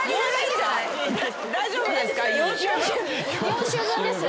４週分です。